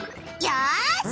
よし！